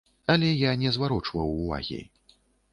Але я не зварочваў ўвагі.